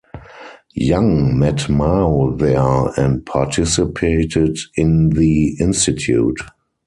Yang met Mao there and participated in the institute.